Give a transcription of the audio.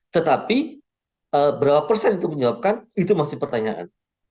tetapi berapa persen itu menyebabkan itu masih pertanyaan